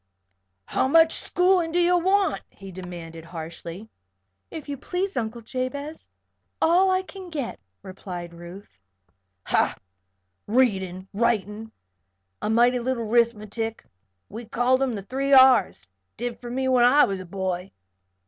"How much schoolin' do you want?" he demanded, harshly. "If you please Uncle Jabez, all I can get," replied Ruth. "Ha! Readin', writin', an' mighty little 'rithmatic we called 'em 'the three R's ' did for me when I was a boy.